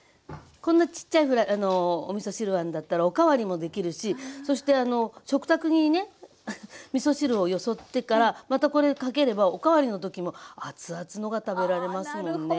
こんなちっちゃいおみそ汁わんだったらお代わりもできるしそして食卓にねみそ汁をよそってからまたこれかければお代わりの時も熱々のが食べられますもんね。